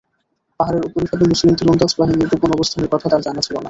পাহাড়ের উপরিভাগে মুসলিম তীরন্দাজ বাহিনীর গোপন অবস্থানের কথা তার জানা ছিল না।